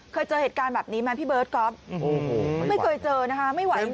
เคยเจอเหตุการณ์แบบนี้ไหมพี่เบิร์ตก๊อฟไม่เคยเจอนะคะไม่ไหวจริง